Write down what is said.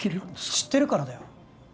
知ってるからだよ